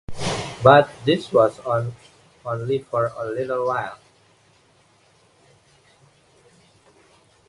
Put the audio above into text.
But this was only for a little while.